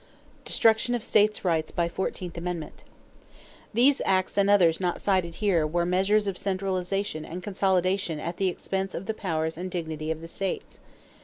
=Destruction of States' Rights by Fourteenth Amendment.= These acts and others not cited here were measures of centralization and consolidation at the expense of the powers and dignity of the states.